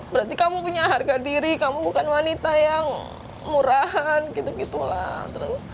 berarti kamu punya harga diri kamu bukan wanita yang murahan gitu gitu lah